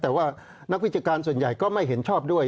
แต่ว่านักวิชาการส่วนใหญ่ก็ไม่เห็นชอบด้วย